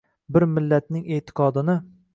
Bir Millatning e’tiqodini